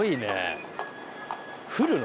降るの？